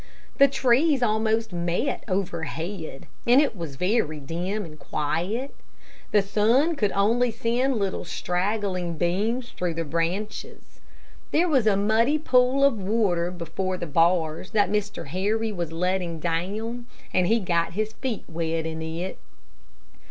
The trees almost met overhead, and it was very dim and quiet. The sun could only send little straggling beams through the branches. There was a muddy pool of water before the bars that Mr. Harry was letting down, and he got his feet wet in it.